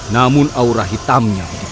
namun aura hitamnya lebih kuat